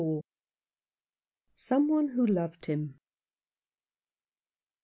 SOME ONE WHO LOVED HIM.